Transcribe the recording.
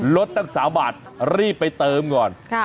ลดตั้ง๓บาทรีบไปเติมก่อน